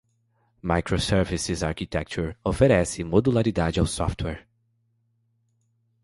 Microservices Architecture oferece modularidade ao software.